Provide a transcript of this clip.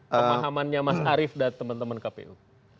pemahamannya mas arief dan teman teman kpu